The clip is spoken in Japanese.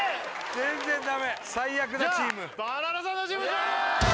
全然ダメ最悪なチームバナナサンドチーム勝利！